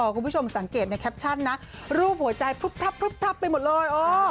คุณผู้ชมสังเกตในแคปชั่นนะรูปหัวใจพลึบพับไปหมดเลย